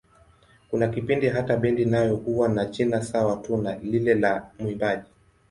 Kuna kipindi hata bendi nayo huwa na jina sawa tu na lile la mwimbaji.